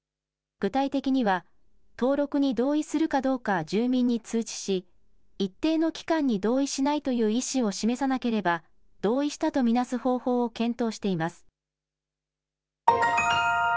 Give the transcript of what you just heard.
具体的には登録に同意するかどうか住民に通知し一定の期間に同意しないという意思を示さなければ同意したと見なす方法を検討しています。